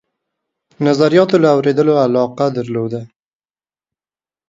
نظریاتو له اورېدلو علاقه درلوده.